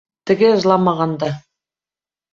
Теге ыжламаған да.